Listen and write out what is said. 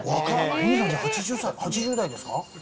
お兄さんは８０代ですか？